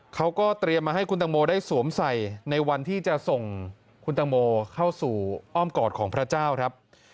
เขาก็เตรียมมาให้คุณตังโมได้สวมใส่ในวันที่จะส่งคุณตังโมเข้าสู่อ้อมกอดของพระเจ้าครับ